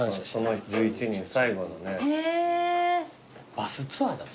バスツアーだぜ。